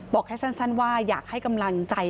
บอกแค่สั้นว่าอยากให้กำลังใจ